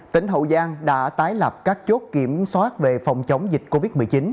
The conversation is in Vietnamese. tỉnh hậu giang đã tái lập các chốt kiểm soát về phòng chống dịch covid một mươi chín